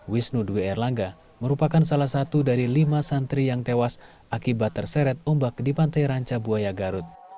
wisnu dwi erlangga merupakan salah satu dari lima santri yang tewas akibat terseret ombak di pantai ranca buaya garut